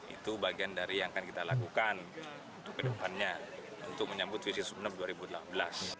itu bagian dari yang akan kita lakukan untuk kedepannya untuk menyambut visi sumeneb dua ribu delapan belas